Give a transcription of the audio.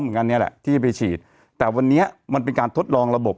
เหมือนกันเนี่ยแหละที่จะไปฉีดแต่วันนี้มันเป็นการทดลองระบบ